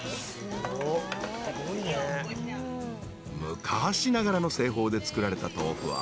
［昔ながらの製法で作られた豆腐は］